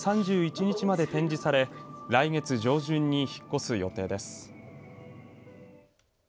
ひかりは今月３１日まで展示され来月上旬に引っ越す予定です。